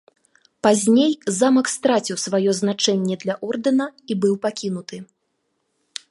Пазней замак страціў сваё значэнне для ордэна і быў пакінуты.